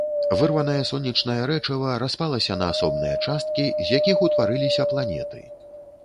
Вырванае сонечнае рэчыва распалася на асобныя часткі, з якіх утварыліся планеты.